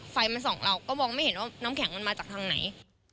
ไฟมันส่องเราก็มองไม่เห็นว่าน้ำแข็งมันมาจากทางไหน